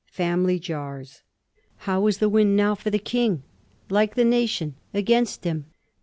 FAMILY JABS. " How is the wind now for the King ?"" Like the nation — against him."